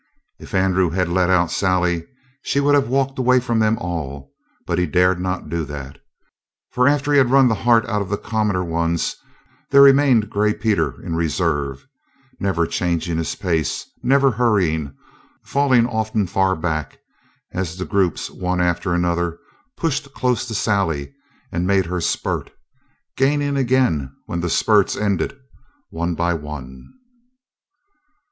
If Andrew had let out Sally she would have walked away from them all, but he dared not do that. For, after he had run the heart out of the commoner ones, there remained Gray Peter in reserve, never changing his pace, never hurrying, falling often far back, as the groups one after another pushed close to Sally and made her spurt, gaining again when the spurts ended one by one.